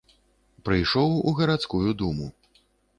Прыйшоў у гарадскую думу.